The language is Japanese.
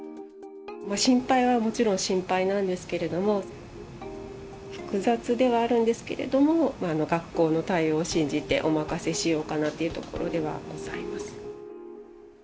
心配はもちろん心配なんですけれども、複雑ではあるんですけれども、学校の対応を信じて、お任せしようかなというところではございます。